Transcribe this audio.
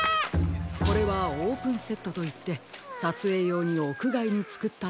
これはオープンセットといってさつえいようにおくがいにつくったたてものです。